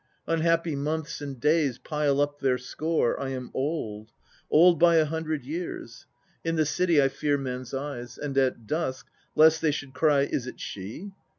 Unhappy months and days pile up their score; I am old; old by a hundred years. In the City I fear men's eyes, And at dusk, lest they should cry "Is it she?"